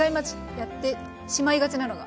やってしまいがちなのが。